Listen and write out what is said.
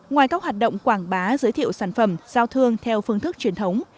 ngoài các hoạt động quảng bá giới thiệu sản phẩm giao thương theo phương thức truyền thống